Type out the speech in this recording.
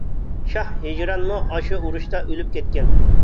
شاھ ھىجرانمۇ ئاشۇ ئۇرۇشتا ئۆلۈپ كەتكەن.